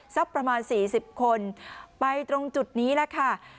สักประมาณ๔๐คนไปตรงจุดนี้แหละค่ะ